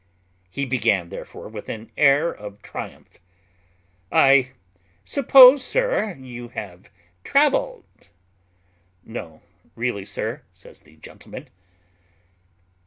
He began therefore with an air of triumph: "I suppose, sir, you have travelled?" "No, really, sir," said the gentleman.